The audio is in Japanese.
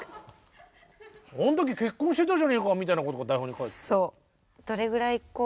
「あん時結婚してたじゃねえか」みたいなことが台本に書いてある。